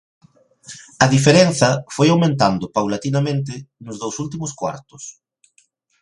A diferenza foi aumentando paulatinamente nos dous últimos cuartos.